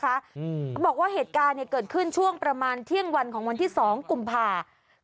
เขาบอกว่าเหตุการณ์เนี่ยเกิดขึ้นช่วงประมาณเที่ยงวันของวันที่๒กุมภา